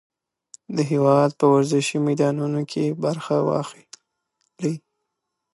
د هېواد په ورزشي میدانونو کې برخه واخلئ.